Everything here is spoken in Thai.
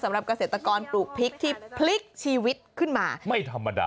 เกษตรกรปลูกพริกที่พลิกชีวิตขึ้นมาไม่ธรรมดา